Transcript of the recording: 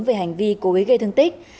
về hành vi cố ý gây thương tích